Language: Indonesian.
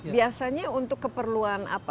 biasanya untuk keperluan apa